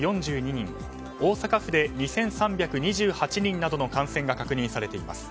大阪府で２３２８人などの感染が確認されています。